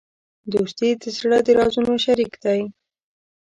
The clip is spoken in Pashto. دوستي د زړه د رازونو شریک دی.